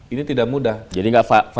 ini tidak mudah jadi nggak fight fire